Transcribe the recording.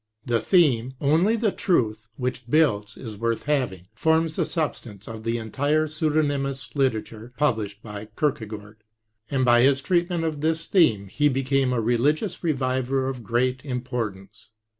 The theme " only the truth which builds is worth having " forms the substance of the entire pseudonymous literature published by Kierkegaard, and by his treatment of this theme he became a religious re viver of great importance.